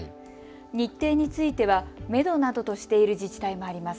日程については、めどなどとしている自治体もあります。